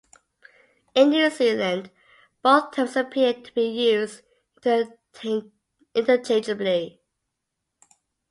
In New Zealand, both terms appear to be used interchangeably.